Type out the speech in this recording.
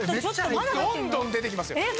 どんどん出てきますよ。